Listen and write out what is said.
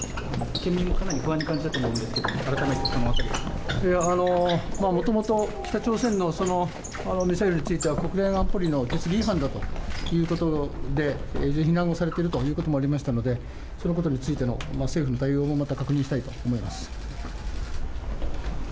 県民もかなり不安に感じたと思うんですけれども、改めてそのもともと北朝鮮のミサイルについては、国連安保理の決議違反だということで、非難をされているということもありましたので、そのことについての政府の対応もまた確認したいと思います。